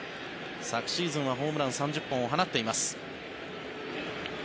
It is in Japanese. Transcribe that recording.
昨シーズンはホームラン３０本を放っています。